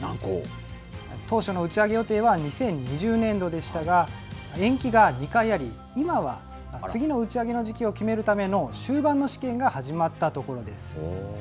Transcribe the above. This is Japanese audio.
当初の打ち上げ予定は２０２０年度でしたが、延期が２回あり、今は次の打ち上げの時期を決めるための終盤の試験が始まったところです。